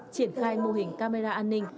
triển khai mô hình camera an ninh